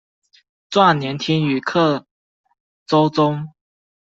壮年听雨客舟中。